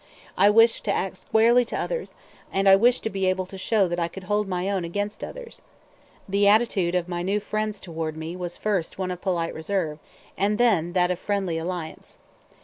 I wished to act squarely to others, and I wished to be able to show that I could hold my own as against others. The attitude of my new friends toward me was first one of polite reserve, and then that of friendly alliance.